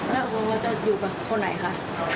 แล้วเราจะอยู่กับคนไหนคะ